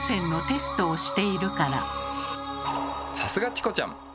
さすがチコちゃん。